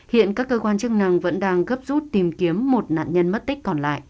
hiện các cơ quan chức năng vẫn đang gấp rút tìm kiếm một nạn nhân mất tích còn lại